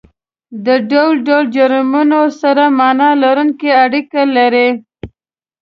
د ډول ډول جرمونو سره معنا لرونکې اړیکه لري